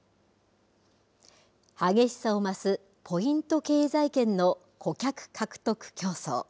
激しさを増す、ポイント経済圏の顧客獲得競争。